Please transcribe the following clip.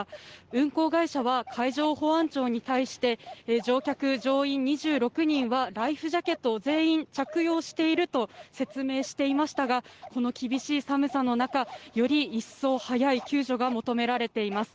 運航会社は、海上保安庁に対して乗客・乗員２６人はライフジャケットを全員着用していると説明していましたがこの厳しい寒さの中より一層早い救助が求められています。